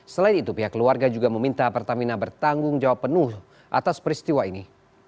selain itu pihak keluarga juga meminta pertamina bertanggung jawab penuh atas peristiwa ini